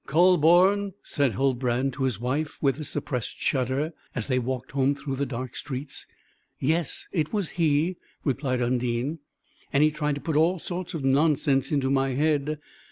"Kühleborn?" said Huldbrand to his wife with a suppressed shudder, as they walked home through the dark streets. "Yes, it was he," replied Undine "and he tried to put all sorts of nonsense into my head.